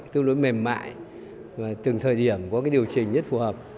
tương đối mềm mại từng thời điểm có điều chỉnh nhất phù hợp